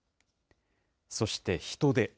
そして人出。